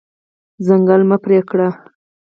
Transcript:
ځنګل مه پرې کړه.